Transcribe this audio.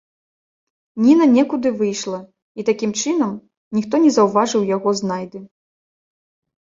Ніна некуды выйшла, і, такім чынам, ніхто не заўважыў яго знайды.